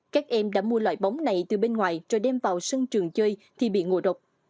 các em đã mua loại bóng này từ bên ngoài rồi đem vào sân trường chơi thì bị ngộ độc